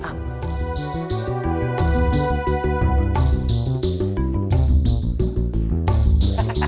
kau mau kemana